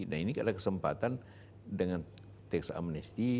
nah ini adalah kesempatan dengan tax amnesty